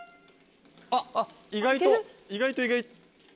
意外と意外と意外。